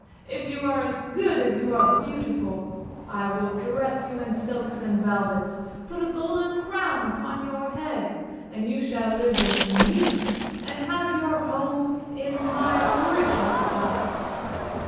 If you are as good as you are beautiful, I will dress you in silks and velvets, put a golden crown upon your head, and you shall live with me and have your home in my richest palace!